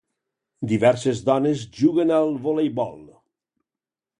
Diverses dones juguen al voleibol.